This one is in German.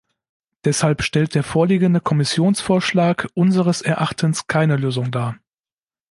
Deshalb stellt der vorliegende Kommissionsvorschlag unseres Erachtens keine Lösung dar.